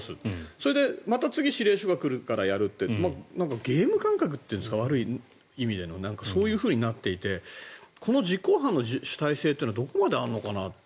それでまた次指令書が来るからやるってゲーム感覚というんですか悪い意味でのそういうふうになっていてこの実行犯の主体性というのはどこまであるのかなと。